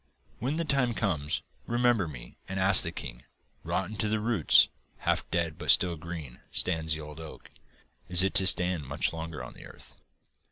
'When the time comes, remember me and ask the king: "Rotten to the roots, half dead but still green, stands the old oak. Is it to stand much longer on the earth?"